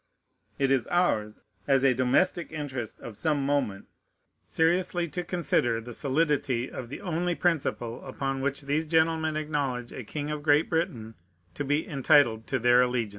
It is ours, as a domestic interest of some moment, seriously to consider the solidity of the only principle upon which these gentlemen acknowledge a king of Great Britain to be entitled to their allegiance.